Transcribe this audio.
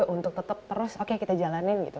dan juga untuk tetap terus oke kita jalanin gitu